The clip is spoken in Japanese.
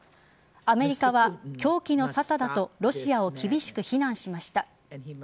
アメリカは狂気の沙汰だとロシアを厳しく非難しました。